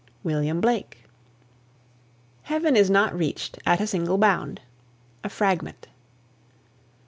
WILLIAM BLAKE. HEAVEN IS NOT REACHED AT A SINGLE BOUND. (A FRAGMENT.)